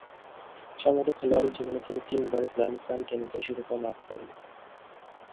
সমগ্র খেলোয়াড়ী জীবনে তিনি তিনবার গ্র্যান্ড স্ল্যাম টেনিসের শিরোপা লাভ করেন।